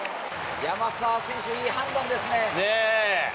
山沢選手、いい判断ですね。